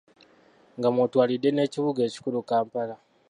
Nga mw’otwalidde n'ekibuga ekikulu Kampala.